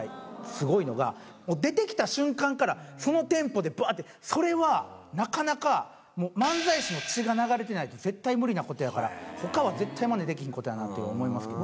すごいのが、出てきた瞬間からそのテンポで、ぶわーっと、それはなかなか、漫才師の血が流れてないと絶対無理なことやから、ほかは絶対まねできひんことだと思いますけど。